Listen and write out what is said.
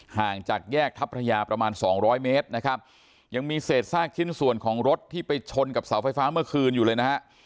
ห่างจากแยกทัพยาประมาณสองร้อยเมตรนะครับยังมีเศษซากชิ้นส่วนของรถที่ไปชนกับเสาไฟฟ้าเมื่อคืนอยู่เลยนะฮะ